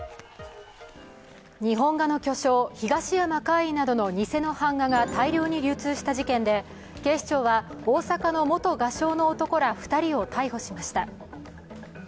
日本画の巨匠、東山魁夷などの偽の版画が大量に流通した事件で、警視庁は大阪の元画商の男ら２人を逮捕しました。